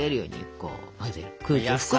こう？